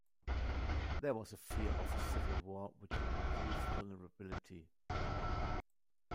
There was a fear of a civil war, which would increase vulnerability.